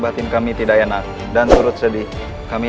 aku ingin membunuhnya